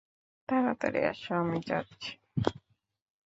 তাড়াতাড়ি আসো, আমি যাচ্ছি।